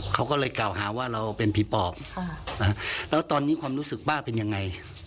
เขาก็เลยกล่าวหาว่าเราเป็นผีปอบแล้วตอนนี้ความรู้สึกป้าเป็นยังไง